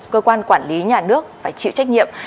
cơ quan quản lý nhà nước phải chịu trách nhiệm